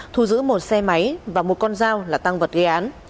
thu giữ một xe máy và một con dao là tăng vật gây án